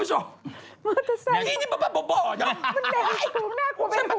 จริงจริงบ้าหลง